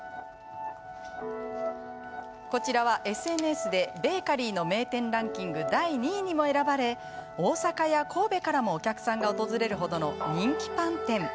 こちらは、ＳＮＳでベーカリーの名店ランキング第２位にも選ばれ大阪や神戸からもお客さんが訪れる程の人気パン店。